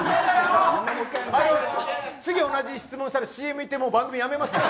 次同じ質問したらＣＭにいって番組やめますから。